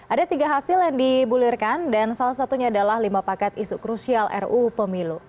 ada tiga hasil yang dibulirkan dan salah satunya adalah lima paket isu krusial ruu pemilu